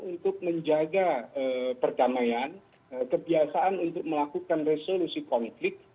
untuk menjaga perdamaian kebiasaan untuk melakukan resolusi konflik